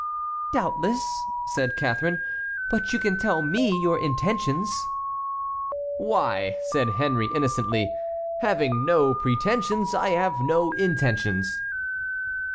"Doubtless," said Catharine; "but you can tell me your intentions." "Why!" said Henry, innocently, "having no pretensions, I have no intentions."